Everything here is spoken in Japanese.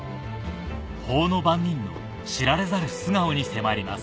法の番人の知られざる素顔に迫ります